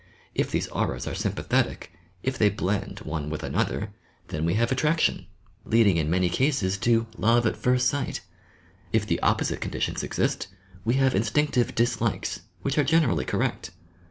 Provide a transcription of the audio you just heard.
If these auras are sympathetic, if they blend one with another, then we have attraction, leading 16 YOUR PSYCHIC POWERS in many cases to "love at first sight;" if the opposite conditions exist, we have instinctive dislikes which are generally correct.